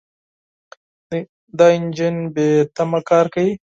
دا انجن بېتمه کار کوي.